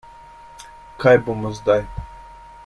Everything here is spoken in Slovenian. Kaj bomo zdaj?